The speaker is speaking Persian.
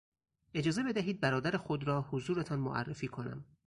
اجازه بدهید برادر خود را حضورتان معرفی کنم.